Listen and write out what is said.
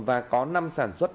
và có năm sản xuất